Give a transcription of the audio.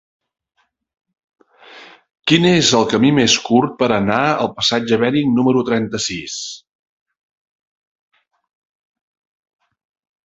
Quin és el camí més curt per anar al passatge de Bering número trenta-sis?